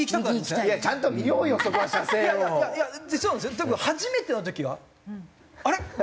でも初めての時は「あれ？」。